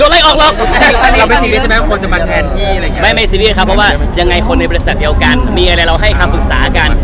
หมายไม่สรีเพราะว่ายังไงคนในบริษัทเดียวกันมีอะไรเราให้คำคุยกัน